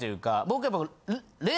僕やっぱ。